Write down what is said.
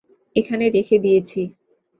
এখানে রেখে দিয়েছি।